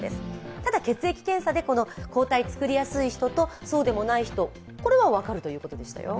ただ、血液検査で抗体を作りやすい人とそうでもない人は分かるということでしたよ。